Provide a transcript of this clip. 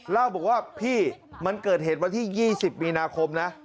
เล่าบอกว่าพี่มันเกิดเหตุวันที่๒๐มีนาคมนะ